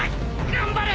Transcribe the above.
頑張れ！